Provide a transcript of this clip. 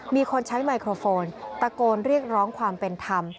มีคนใช้ไมโครโฟนตะโกนเรียกร้องความเป็นธรรม